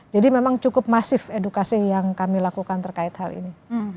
jadi memang cukup masif edukasi yang kami lakukan terkait hal ini